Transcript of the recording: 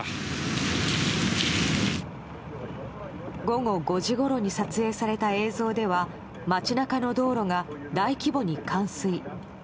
午後５時ごろに撮影された映像では街中の道路が大規模に冠水。